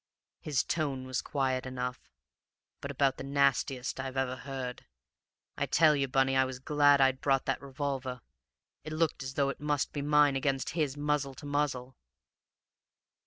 "His tone was quiet enough, but about the nastiest I ever heard. I tell you, Bunny, I was glad I'd brought that revolver. It looked as though it must be mine against his, muzzle to muzzle.